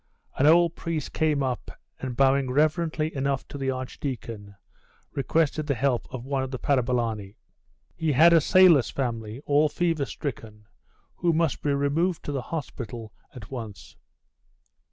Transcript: An old priest came up, and bowing reverently enough to the archdeacon, requested the help of one of the parabolani. He had a sailor's family, all fever stricken, who must be removed to the hospital at once.